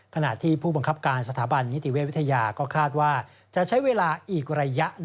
ขณะที่ผู้บังคับการสถาบันนิติเวทวิทยาก็คาดว่าจะใช้เวลาอีกระยะ